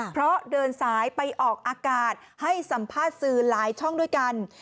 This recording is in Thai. เพราะเดินสายไปออกอากาศให้สัมภาษณ์สื่อหลายช่องด้วยกัน